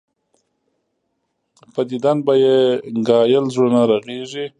پۀ ديدن به ئې ګهائل زړونه رغيږي